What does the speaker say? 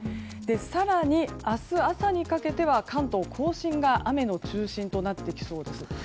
更に、明日朝にかけては関東・甲信が雨の中心となってきそうです。